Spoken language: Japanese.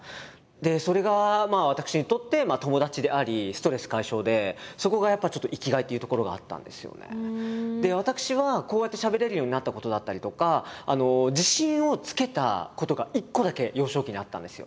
それが私にとって友達であり私はこうやってしゃべれるようになったことだったりとか自信をつけたことが１個だけ幼少期にあったんですよ。